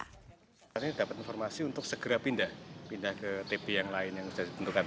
kita dapat informasi untuk segera pindah pindah ke tbi yang lain yang sudah dibentukkan